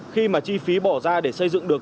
khi mà chi phí bỏ ra để xây dựng được